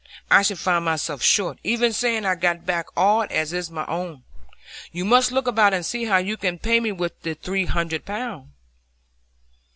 I should find myself short, even saying I'd got back all as is my own. You must look about and see how you can pay me the three hundred pound."